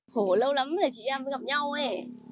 khổ lâu lắm rồi chị em gặp nhau ấy